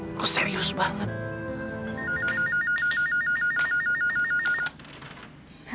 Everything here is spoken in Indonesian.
aku serius banget